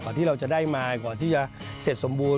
ที่เราจะได้มาก่อนที่จะเสร็จสมบูรณ